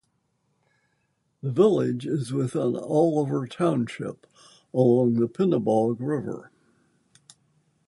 The village is within Oliver Township, along the Pinnebog River.